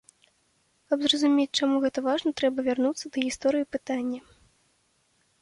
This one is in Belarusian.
Каб зразумець, чаму гэта важна, трэба вярнуцца да гісторыі пытання.